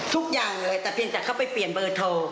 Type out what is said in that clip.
ทุกอย่างเลยแต่เพียงแต่เข้าไปเปลี่ยนเบอร์โทร